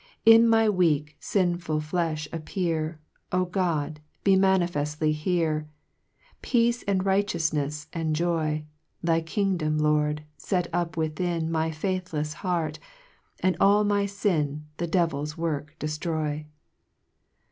4 In my weak, finful flefli, appear ; O God, be manifefted here ; Peace, righteoufnefs, and joy : Thy kingdom, Lord, fet up within My faithful heart ; and all my fin, The devil's work dellroy.